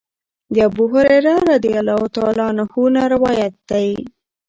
د ابوهريره رضی الله عنه نه روايت دی